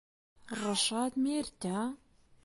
ڕەشاد مێردتە؟